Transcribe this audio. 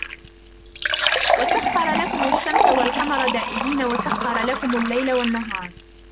وَسَخَّرَ لَكُمُ الشَّمْسَ وَالْقَمَرَ دَائِبَيْنِ وَسَخَّرَ لَكُمُ اللَّيْلَ وَالنَّهَارَ